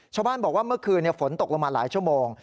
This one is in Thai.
ชาวบ้านบอกว่าเมื่อคืนฝนตกลงมาหลายชั่วโมง